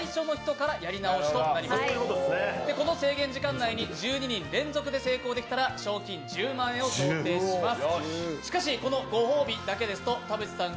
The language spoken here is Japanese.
この制限時間内に１２人連続で成功できたら賞金１０万円を贈呈します。